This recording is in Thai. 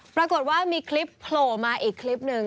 ปรากฏว่ามีคลิปโผล่มาอีกคลิปหนึ่ง